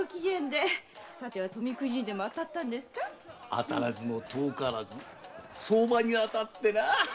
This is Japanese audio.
当たらずも遠からず相場に当たってな！